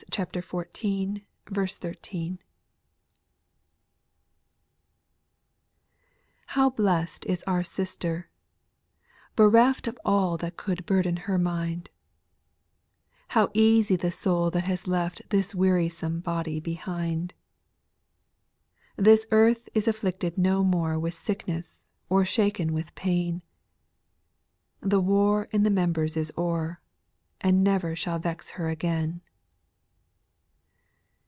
30. Jievelatiom xiv. 13 1. TJ^^ ^^^st is our sister, bereft Xl Of all that could burden her mind 1 How easy the soul that has left This wearisome body behind ! This earth is affected no more With sickness, or shaken with pain : The war in the members is o'er, And never shall vex her again.